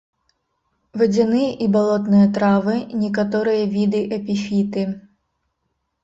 Вадзяныя і балотныя травы, некаторыя віды эпіфіты.